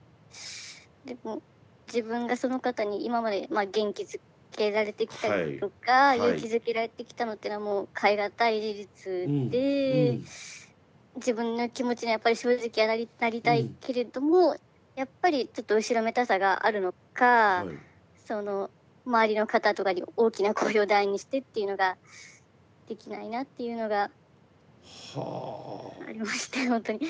でも自分がその方に今まで元気づけられてきたりとか勇気づけられてきたのってのはもう変えがたい事実で自分の気持ちにはやっぱり正直にはなりたいけれどもやっぱりちょっと後ろめたさがあるのか周りの方とかに大きな声を大にしてっていうのができないなっていうのがありましてほんとに。